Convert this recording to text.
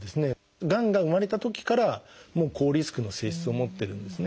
がんが生まれたときから高リスクの性質を持ってるんですね。